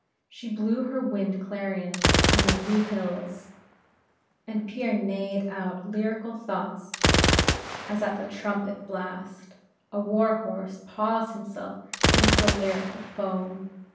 She blew her wind clarion from the blue hills, and Pierre neighed out lyrical thoughts, as at the trumpet blast, a war horse paws himself into a lyric of foam.